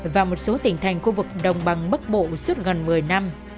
và một số tỉnh thành khu vực đồng bằng bắc bộ suốt gần một mươi năm